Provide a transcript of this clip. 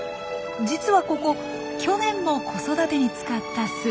実はここ去年も子育てに使った巣。